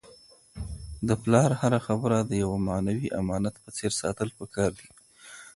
د پلار هره خبره د یو معنوي امانت په څېر ساتل پکار دي.